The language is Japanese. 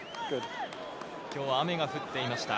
今日は雨が降っていました。